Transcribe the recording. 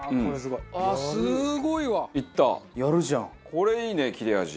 これいいね切れ味。